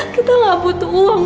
kita gak butuh uang